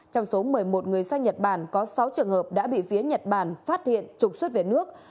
trong số một mươi một người sang nhật bản có sáu trường hợp đã bị phía nhật bản phát hiện trục xuất về nước